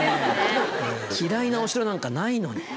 嫌いなお城なんかないのに。